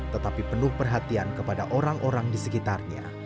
tetapi penuh perhatian kepada orang orang di sekitarnya